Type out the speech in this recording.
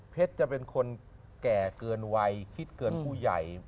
จะเป็นคนแก่เกินวัยคิดเกินผู้ใหญ่